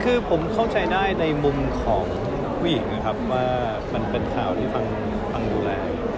คือผมเข้าใจได้ในมุมของผู้หญิงนะครับว่ามันเป็นข่าวที่ฟังดูแล